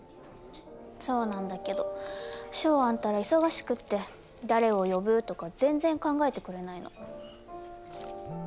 そうなんだけどショウアンったら忙しくって誰を呼ぶとか全然考えてくれないの。